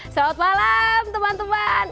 selamat malam teman teman